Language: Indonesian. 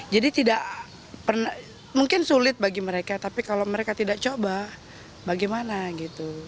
jadi tidak pernah mungkin sulit bagi mereka tapi kalau mereka tidak coba bagaimana gitu